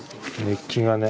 熱気がね。